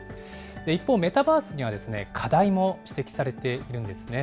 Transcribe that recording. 一方、メタバースには課題も指摘されているんですね。